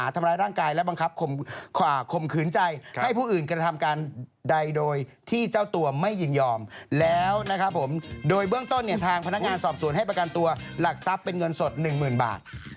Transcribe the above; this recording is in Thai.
ทางพนักงานสอบศูนย์ให้ประกันตัวหลักทรัพย์เป็นเงินสด๑หมื่นบาท